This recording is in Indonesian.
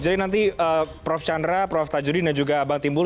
jadi nanti prof chandra prof tajudin dan juga bang timbul